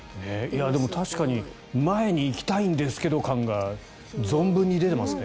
でも確かに前に行きたいんですけど感が存分に出てますね。